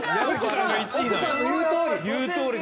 言うとおりだ。